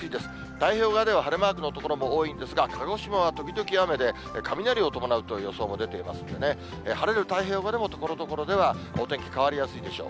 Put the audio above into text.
太平洋側では晴れマークの所も多いんですが、鹿児島は時々雨で、雷を伴うという予想も出ていますんでね、晴れる太平洋側でも、ところどころではお天気変わりやすいでしょう。